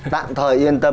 tạm thời yên tâm